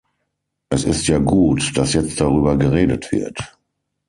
Es ist ja gut, dass jetzt darüber geredet wird.